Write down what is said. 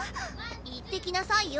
行ってきなさいよ。